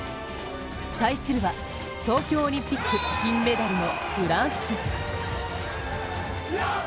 対するは、東京オリンピック金メダルのフランス。